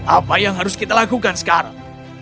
apa yang harus kita lakukan sekarang